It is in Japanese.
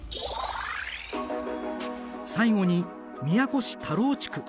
最後に宮古市田老地区。